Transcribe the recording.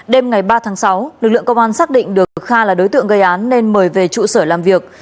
đêm ngày ba tháng sáu lực lượng công an xác định được kha là đối tượng gây án nên mời về trụ sở làm việc